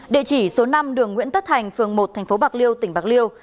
địa chỉ số năm đường nguyễn tất thành phường một thành phố bạc liêu tỉnh bạc liêu